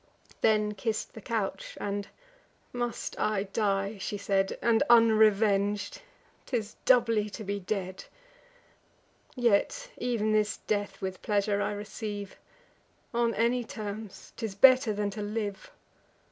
Then kiss'd the couch; and, "Must I die," she said, "And unreveng'd? 'Tis doubly to be dead! Yet ev'n this death with pleasure I receive: On any terms, 'tis better than to live.